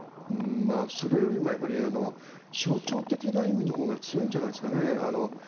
それよりも象徴的な意味のほうが強いんじゃないですかね。